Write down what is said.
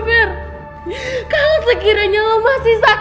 pak permisi ya